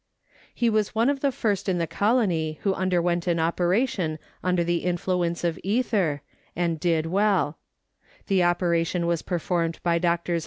He was one of the first in the colony who underwent an operation under the influence of ether, and did well; the operation was performed by Drs.